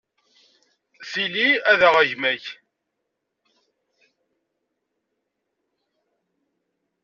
Tili ad aɣeɣ gma-k.